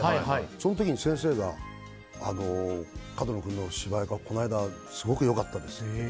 その時に先生が角野君の芝居、この間すごく良かったですって。